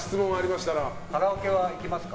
カラオケは行きますか？